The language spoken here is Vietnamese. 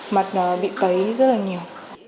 mặt bị tấy rất là nhiều